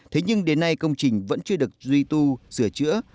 thế nhưng đến nay công trình vẫn chưa được duy tu sửa chữa